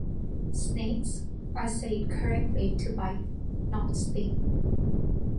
Snakes are said, correctly, to bite, not sting.